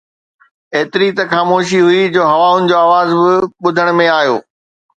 ايتري ته خاموشي هئي جو هوائن جو آواز به ٻڌڻ ۾ آيو